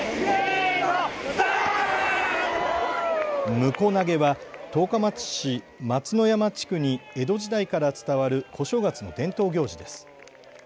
むこ投げは十日町市松之山地区に江戸時代から伝わる小正月の伝統行事です。